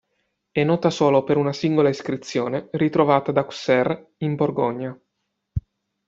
È nota solo per una singola iscrizione ritrovata ad Auxerre in Borgogna.